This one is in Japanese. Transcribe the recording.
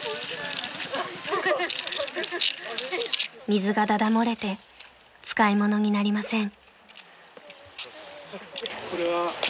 ［水がだだ漏れて使い物になりません］